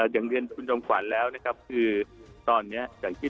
อย่างเรียนคุณจอมขวัญแล้วนะครับคือตอนนี้อย่างที่